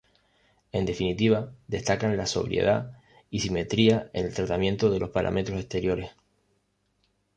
En definitiva, destacan la sobriedad y simetría en el tratamiento de los paramentos exteriores.